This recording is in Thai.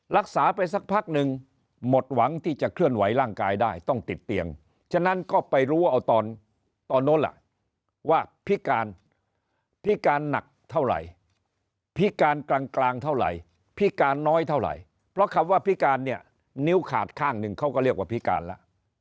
รักษาไปสักพักหนึ่งหมดหวังที่จะเคลื่อนไหวร่างกายได้ต้องติดเตียงฉะนั้นก็ไปรู้ว่าเอาตอนตอนโน้นล่ะว่าพิการพิการหนักเท่าไหร่พิการกลางเท่าไหร่พิการน้อยเท่าไหร่เพราะคำว่าพิการเนี่ยนิ้วขาดข้างหนึ่งเขาก็เรียกว่าพิการแล้ว